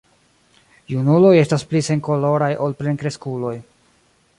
Junuloj estas pli senkoloraj ol plenkreskuloj.